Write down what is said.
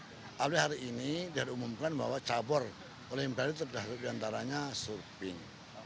alhamdulillah hari ini diumumkan bahwa cabur olimpiade tergantung diantaranya surfing